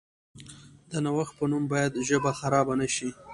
د نوښت په نوم باید ژبه خرابه نشي.